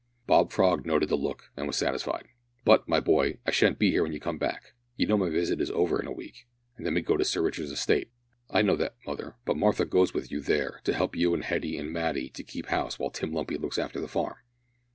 Bob Frog noted the look, and was satisfied. "But, my boy, I shan't be here when you come back. You know my visit is over in a week, and then we go to Sir Richard's estate." "I know that, mother, but Martha goes with you there, to help you and Hetty and Matty to keep house while Tim Lumpy looks after the farm."